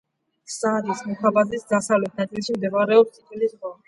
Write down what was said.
საადის მუჰაფაზის დასავლეთ ნაწილში მდებარეობს წითელი ზღვა.